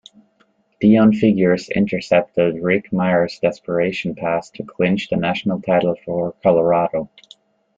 Deon Figures intercepted Rick Mirer's desperation pass to clinch the national title for Colorado.